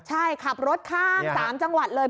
ใช่ขับรถข้าม๓จังหวัดเลย